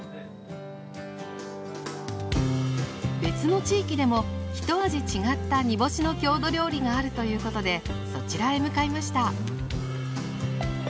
別の地域でもひと味違った煮干しの郷土料理があるということでそちらへ向かいました。